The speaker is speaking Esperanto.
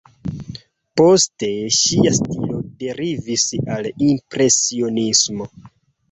Poste ŝia stilo derivis al impresionismo.